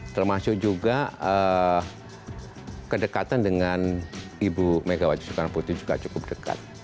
termasuk juga kedekatan dengan ibu megawati soekarno putri juga cukup dekat